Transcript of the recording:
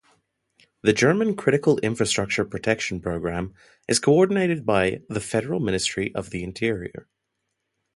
The German critical-infrastructure protection programme is coordinated by the Federal Ministry of the Interior.